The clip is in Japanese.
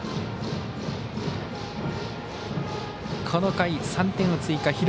この回、３点を追加。